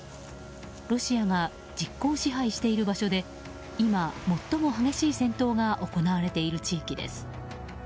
ロシアが実効支配している場所で今最も激しい戦闘が行われている地域です。